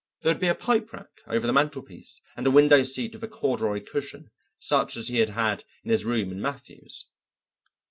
There would be a pipe rack over the mantelpiece, and a window seat with a corduroy cushion such as he had had in his room in Matthew's.